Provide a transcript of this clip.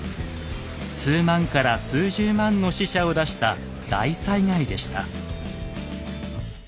数万人から数十万の死者を出した大災害でした。